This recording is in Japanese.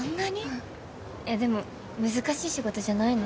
うんえっでも難しい仕事じゃないの？